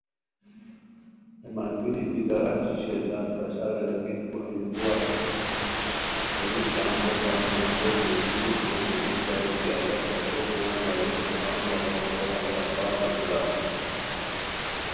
ہے ملگیری بیکار اچی شیر داد بشار اریر کی تو ہیا کورا اسوس؟ ہایو کیانی بوسان ریکو میردول ہوتین لُو پرائے کی، اوا صدرو پونگہ اشٹوکان ژاغو ݰویہ شاد باد ہوٹلہ اسوم